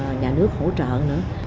và họ được nhà nước hỗ trợ nữa